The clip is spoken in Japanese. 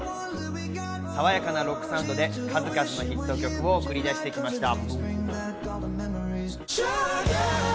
爽やなロックサウンドで数々のヒット曲を送り出してきました。